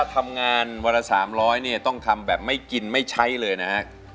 ถ้าทำงานวัตรศามร้อยเนี่ยต้องทำแบบไม่กินไม่ใช้เลยนะ